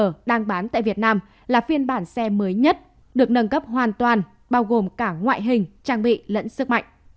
zx một mươi r hai nghìn hai mươi hai đang bán tại việt nam là phiên bản xe mới nhất được nâng cấp hoàn toàn bao gồm cả ngoại hình trang bị lẫn sức mạnh